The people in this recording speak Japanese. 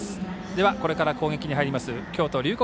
ではこれから攻撃に入る京都・龍谷